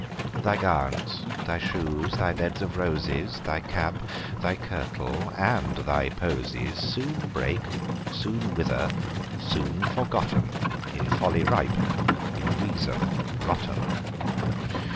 The gowns, thy shoes, thy beds of roses, Thy cap, thy kirtle, and thy posies Soon break, soon wither, soon forgotten,— In folly ripe, in reason rotten.